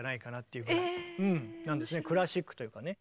クラシックというかね。